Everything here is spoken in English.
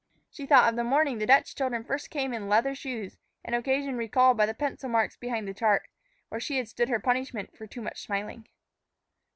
She thought of the morning the Dutch children first came in leather shoes, an occasion recalled by the pencil marks behind the chart, where she had stood her punishment for too much smiling.